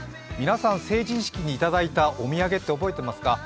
皆さん、成人式にいただいたお土産は覚えていますか？